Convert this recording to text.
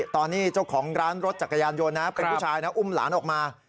ตอนนี้เจ้าของร้านรถจักรยานยนต์นะเป็นผู้ชายนะอุ้มหลานออกมา